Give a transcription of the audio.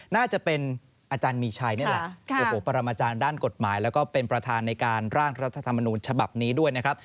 น่าจะเป็นอาจารย์มีชัยนี่แหละโอ้โหปรมาจารย์ด้านกฎหมายแล้วก็เป็นประธานในการร่างรัฐธรรมนูญฉบับนี้ด้วยนะครับ